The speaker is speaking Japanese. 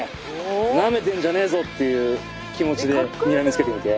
ナメてんじゃねぞっていう気持ちでにらみつけてみて。